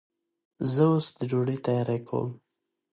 زه اوس د ډوډۍ تیاری کوم.